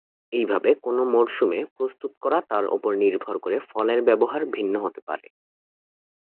এইভাবে কোন মরসুমে প্রস্তুত করা তার উপর নির্ভর করে ফলের ব্যবহার ভিন্ন হতে পারে।